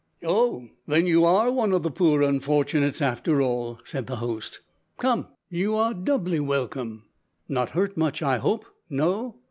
"Oh! then you are one of the poor unfortunates after all," said the host. "Come, you are doubly welcome. Not hurt much, I hope. No?